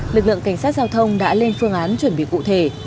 lực lượng cảnh sát giao thông đã lên phương án chuẩn bị cụ thể